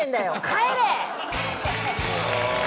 帰れ！